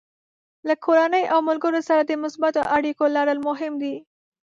له کورنۍ او ملګرو سره د مثبتو اړیکو لرل مهم دي.